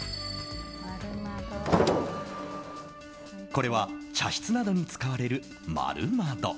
これは茶室などに使われる円窓。